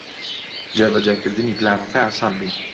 جێبەجێکردنی پلانەکە ئاسان بوو.